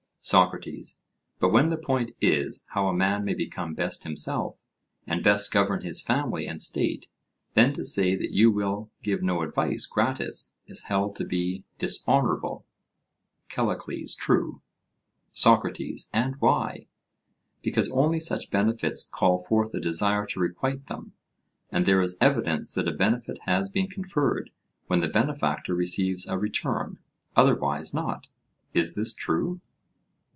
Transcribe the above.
SOCRATES: But when the point is, how a man may become best himself, and best govern his family and state, then to say that you will give no advice gratis is held to be dishonourable? CALLICLES: True. SOCRATES: And why? Because only such benefits call forth a desire to requite them, and there is evidence that a benefit has been conferred when the benefactor receives a return; otherwise not. Is this true?